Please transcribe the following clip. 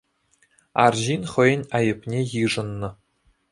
Арҫын хӑйӗн айӑпне йышӑннӑ.